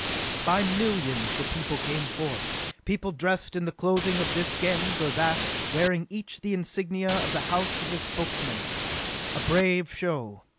By millions the people came forth. People dressed in the clothing of this Gens or that, wearing each the insignia of the house of his Spokesman. A brave show.